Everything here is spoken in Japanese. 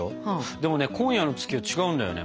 でもね今夜の月は違うんだよね。